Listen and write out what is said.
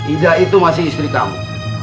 ida itu masih istri kamu